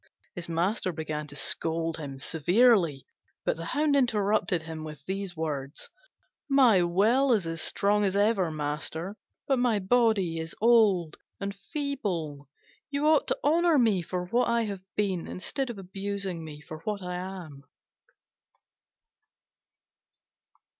His master began to scold him severely, but the Hound interrupted him with these words: "My will is as strong as ever, master, but my body is old and feeble. You ought to honour me for what I have been instead of abusing me for what I am."